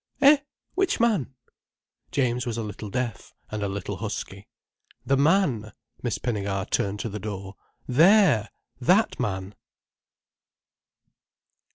"Eh? Which man?" James was a little deaf, and a little husky. "The man—" Miss Pinnegar turned to the door. "There! That man!"